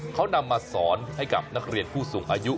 เขานำมาสอนให้กับนักเรียนผู้สูงอายุ